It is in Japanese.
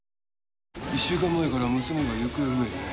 １週間前から娘が行方不明でね。